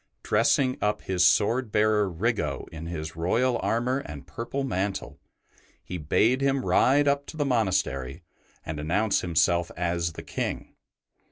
Dressing up his sword bearer Riggo in his royal armour and purple mantle, he bade him ride up to the monastery and announce himself as the King.